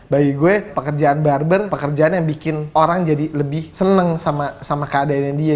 bagi saya pekerjaan barbers pekerjaan yang membuat orang lebih senang dengan keadaannya dia